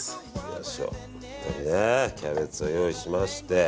キャベツを用意しまして。